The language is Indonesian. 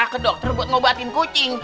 ke dokter buat ngobatin kucing